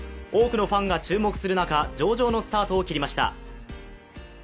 多くのファンが注目する中上々のスタートを切りました。